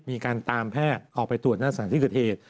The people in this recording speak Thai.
มีการตามแพทย์ออกไปตรวจหน้าสถานที่เกิดเหตุ